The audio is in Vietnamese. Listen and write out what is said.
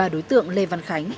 ba đối tượng lê văn khánh